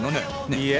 いいえ。